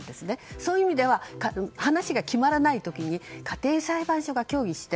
そういう意味では話が決まらない時に家庭裁判所が協議して。